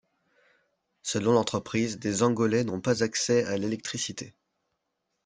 Selon l'entreprise, des Angolais n'ont pas accès à l'électricité.